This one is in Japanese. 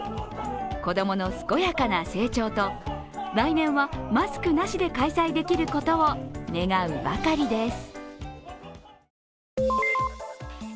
子供の健やかな成長と来年はマスクなしで開催できることを願うばかりです。